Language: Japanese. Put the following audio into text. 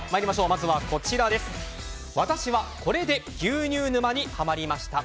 まずはこちら私はこれで牛乳沼にハマりました。